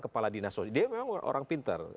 kepala dinas sosial dia memang orang pintar